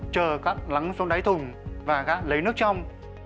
chờ cặn lắng xuống đáy thùng và gạn lấy nước trong